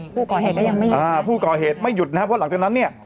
ผู้ก่อเหตุก็ยังไม่หยุดอ่าผู้ก่อเหตุไม่หยุดนะครับเพราะหลังจากนั้นเนี่ย